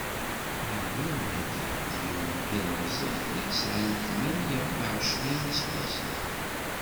Naɛman Nadir, d yiwen n yilemẓi i yesεan tmanya uɛecrin n yiseggasen.